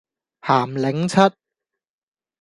鹹檸七